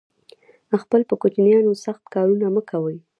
خپل په کوچینیانو سخت کارونه مه کوی